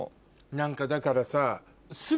何かだからさ